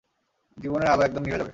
জীবনের আলো একদম নিভে যাবে।